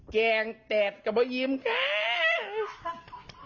แกงแตดกระโบยิ้มก้าาาา